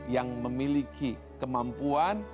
yang memiliki kemampuan